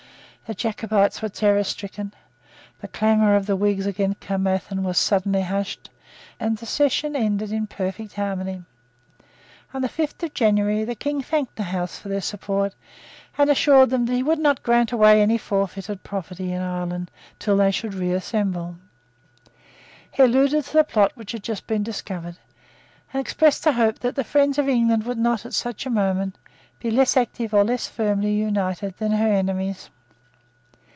The Jacobites were terrorstricken; the clamour of the Whigs against Caermarthen was suddenly hushed; and the Session ended in perfect harmony. On the fifth of January the King thanked the Houses for their support, and assured them that he would not grant away any forfeited property in Ireland till they should reassemble. He alluded to the plot which had just been discovered, and expressed a hope that the friends of England would not, at such a moment, be less active or less firmly united than her enemies.